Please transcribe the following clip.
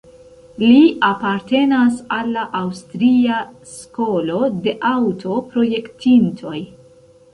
Li apartenas al la Aŭstria skolo de aŭto-projektintoj.